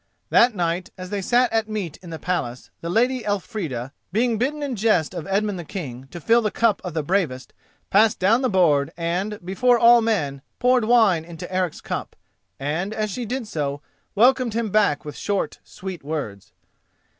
That night, as they sat at meat in the palace, the Lady Elfrida, being bidden in jest of Edmund the King to fill the cup of the bravest, passed down the board, and, before all men, poured wine into Eric's cup, and, as she did so, welcomed him back with short sweet words.